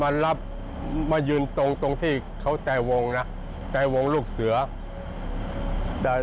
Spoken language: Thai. มารับมายืนตรงที่เขาแต่วงนะแต่วงลูกเสือ